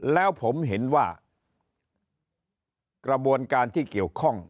แล้วผมเห็นว่ากระบวนการที่เกี่ยวข้อง